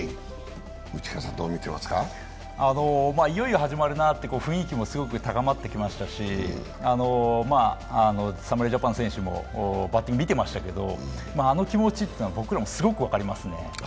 いよいよ始まるなと、雰囲気もすごく高まってきましたし侍ジャパンの選手も、バッティング見てましたけど、あの気持ちは僕らもすごく分かりますね。